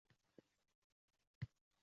Bayat so‘zi «boylar» ma’nosini ifodalagan.